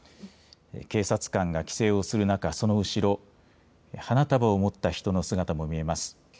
警察官が規制をする中、その後ろ花束を持った人の姿も見えます。